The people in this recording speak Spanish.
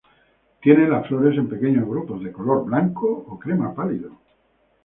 Tiene las flores en pequeños grupos, de color blanco o crema pálido.